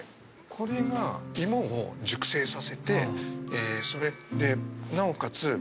これが芋を熟成させてそれでなおかつ。